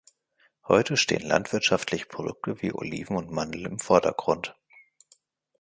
Heute stehen landwirtschaftliche Produkte wie Oliven und Mandeln im Vordergrund.